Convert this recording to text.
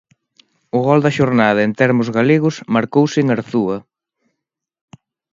O gol da xornada en termos galegos marcouse en Arzúa.